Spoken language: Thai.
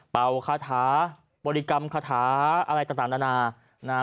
เป่าคาถาบริกรรมคาถาอะไรต่าง